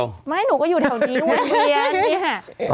สวัสดีค่ะ